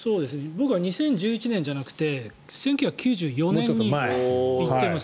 僕は２０１１年じゃなくて１９９４年に行ってます。